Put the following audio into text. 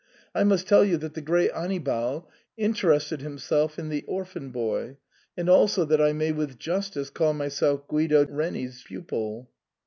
I must tell you that the great Annibal * in terested himself in the orphan boy, and also that I may with justice call myself Guido Reni's ^ pupil."